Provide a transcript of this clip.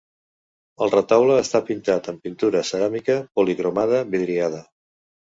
El retaule està pintat amb pintura ceràmica policromada vidriada.